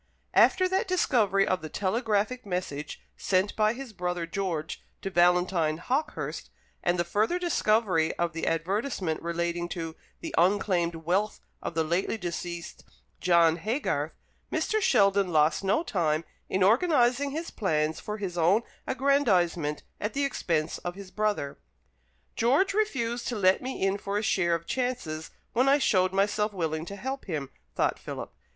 After that discovery of the telegraphic message sent by his brother George to Valentine Hawkehurst, and the further discovery of the advertisement relating to the unclaimed wealth of the lately deceased John Haygarth, Mr. Sheldon lost no time in organizing his plans for his own aggrandizement at the expense of his brother. "George refused to let me in for a share of chances when I showed myself willing to help him," thought Philip.